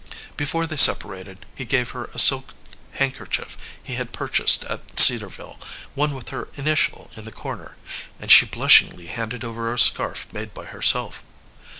Before they separated he gave her a silk handkerchief he had purchased at Cedarville, one with her initial in the corner, and she blushingly handed over a scarf made by herself.